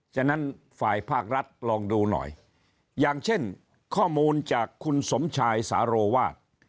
ฉะนั้นฝ่ายภาครัฐลองดูหน่อยอย่างเช่นข้อมูลจากคุณสมชายสาโรวาส